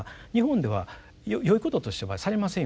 日本ではよいこととしてはされませんよね。